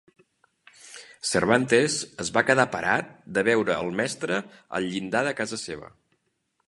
Cervantes es va quedar parat de veure el mestre al llindar de casa seva.